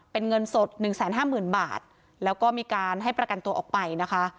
เป็นเงินสดหนึ่งแสนห้าหมื่นบาทแล้วก็มีการให้ประกันตัวออกไปนะคะ